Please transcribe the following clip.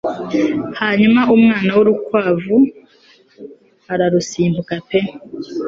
hanyuma umwana w'urukwavu ararusimbuka pe